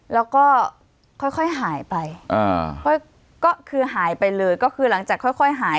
แล้วก็ค่อยหายไปอ่าก็คือหายไปเลยก็คือหลังจากค่อยหาย